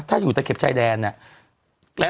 ถ้าอยู่ตะเข็บชายแดนอะ